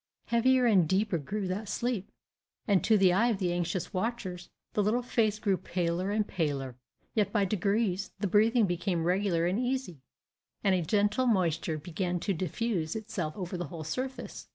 Heavier and deeper grew that sleep, and to the eye of the anxious watchers the little face grew paler and paler; yet by degrees the breathing became regular and easy, and a gentle moisture began to diffuse itself over the whole surface.